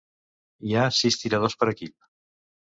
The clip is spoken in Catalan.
Hi ha sis tiradors per equip.